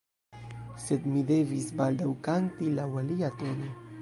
Sed mi devis baldaŭ kanti laŭ alia tono.